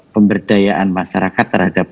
pemberdayaan masyarakat terhadap